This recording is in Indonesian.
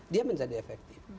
dia menjadi efektif